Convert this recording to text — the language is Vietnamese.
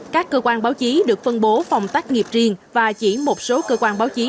các cơ quan báo chí được phân bố phòng tác nghiệp riêng và chỉ một số cơ quan báo chí